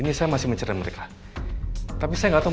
kita gak ada masalah